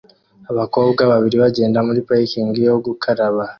Abakobwa babiri bagenda muri parikingi yo gukaraba